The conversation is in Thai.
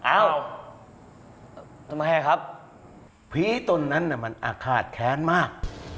เอ้าทำไมครับผีต้นนั้นมันอาฆาตแค้นมาก